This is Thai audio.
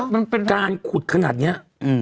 มันเป็นการขุดขนาดนี้